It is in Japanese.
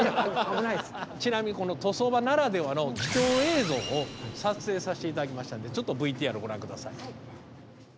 ちなみにこの塗装場ならではの貴重映像を撮影させて頂きましたんでちょっとＶＴＲご覧下さい。